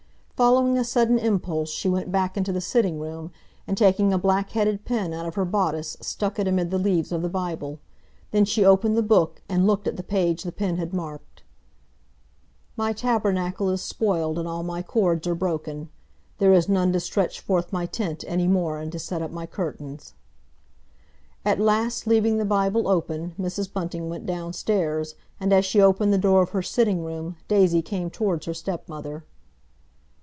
Following a sudden impulse, she went back into the sitting room, and taking a black headed pin out of her bodice stuck it amid the leaves of the Bible. Then she opened the Book, and looked at the page the pin had marked:— "My tabernacle is spoiled and all my cords are broken ... There is none to stretch forth my tent any more and to set up my curtains." At last leaving the Bible open, Mrs. Bunting went downstairs, and as she opened the door of her sitting room Daisy came towards her stepmother.